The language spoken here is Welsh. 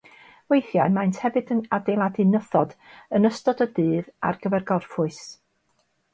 Weithiau maent hefyd yn adeiladu nythod yn ystod y dydd ar gyfer gorffwys.